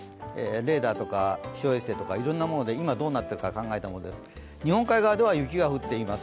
レーダーとか気象衛星とかいろんなもので今、どうなっているのか考えたものです。